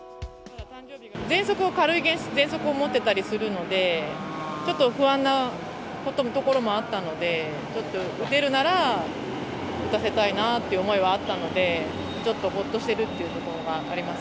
ぜん息を、軽いぜん息を持ってたりするので、ちょっと不安なところもあったので、ちょっと、打てるなら打たせたいなっていう思いはあったので、ちょっとほっとしてるというところがあります。